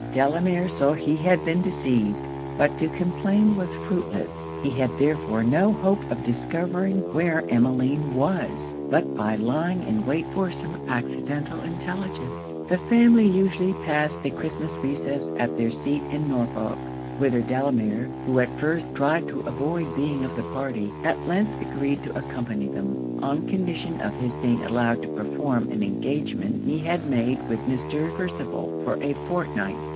Delamere saw he had been deceived; but to complain was fruitless: he had therefore no hope of discovering where Emmeline was, but by lying in wait for some accidental intelligence. The family usually passed the Christmas recess at their seat in Norfolk; whither Delamere, who at first tried to avoid being of the party, at length agreed to accompany them, on condition of his being allowed to perform an engagement he had made with Mr. Percival for a fortnight.